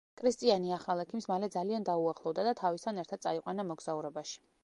კრისტიანი ახალ ექიმს მალე ძალიან დაუახლოვდა და თავისთან ერთად წაიყვანა მოგზაურობაში.